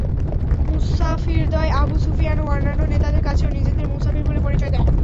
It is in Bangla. মুসাফিরদ্বয় আবু সুফিয়ান ও অন্যান্য নেতাদের কাছেও নিজেদের মুসাফির বলে পরিচয় দেয়।